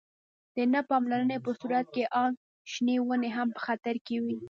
د نه پاملرنې په صورت کې آن شنې ونې هم په خطر کې وي.